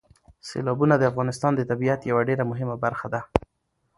سیلابونه د افغانستان د طبیعت یوه ډېره مهمه برخه ده.